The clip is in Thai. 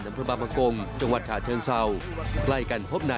สำพรบาปกงจังหวัดถ้าเทิงเสา